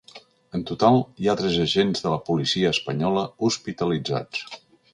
En total, hi ha tres agents de la policia espanyola hospitalitzats.